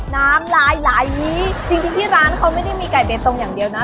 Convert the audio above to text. น้ำลายไหลจริงที่ร้านเขาไม่ได้มีไก่เบตงอย่างเดียวนะ